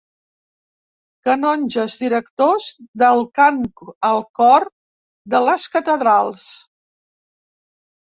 Canonges directors del cant al cor de les catedrals.